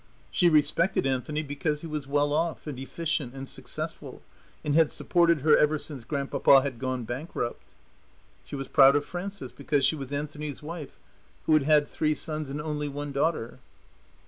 She respected Anthony because he was well off and efficient and successful, and had supported her ever since Grandpapa had gone bankrupt. She was proud of Frances because she was Anthony's wife, who had had three sons and only one daughter.